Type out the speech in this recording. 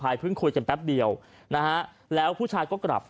เพิ่งคุยกันแป๊บเดียวนะฮะแล้วผู้ชายก็กลับ